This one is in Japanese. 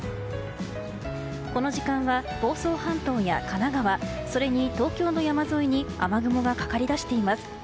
この時間は房総半島や神奈川それに東京の山沿いに雨雲がかかりだしています。